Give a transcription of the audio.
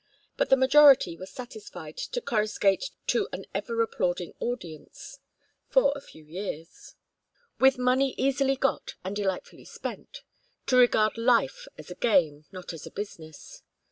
But the majority were satisfied to coruscate to an ever applauding audience for a few years; with money easily got and delightfully spent; to regard Life as a game, not as a business.